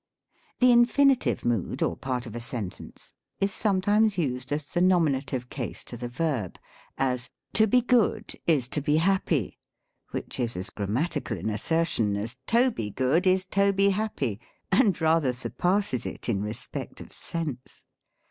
The infinitive mood, or part of a sentence, is som( times used as the nominative case to the verb: as, " to be good is to be happy:" which is as grammatical an assertion as " Toby Good is Toby Happy ;" and rather surpasses it in respect of sense.